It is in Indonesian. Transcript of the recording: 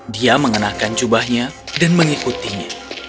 dia mengenakan jubahnya dan mengikutinya